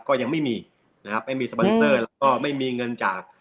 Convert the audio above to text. ก็ยังไม่มีนะครับไม่มีสปอนเซอร์แล้วก็ไม่มีเงินจาก